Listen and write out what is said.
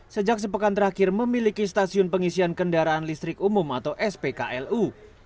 sejak sepekan terakhir memiliki stasiun pengisian kendaraan listrik umum atau spklu